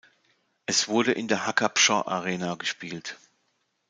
Es wurde in der Hacker-Pschorr Arena gespielt.